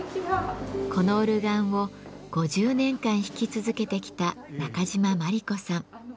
このオルガンを５０年間弾き続けてきた中島萬里子さん。